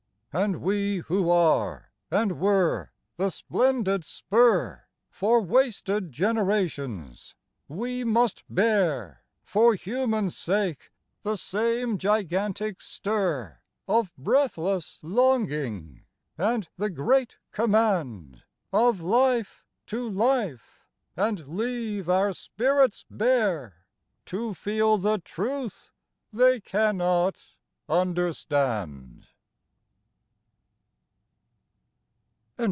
And we who are, and were the splendid spur For wasted generations, we must bear For human sake the same gigantic stir Of breathless longing, and the great command Of life to life, and leave our spirits bare To feel the truth they cannot understand.